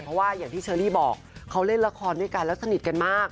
เพราะว่าอย่างที่เชอรี่บอกเขาเล่นละครด้วยกันแล้วสนิทกันมาก